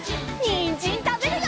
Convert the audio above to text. にんじんたべるよ！